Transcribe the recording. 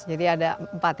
jadi ada empat ini